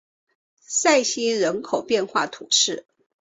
塞西人口变化图示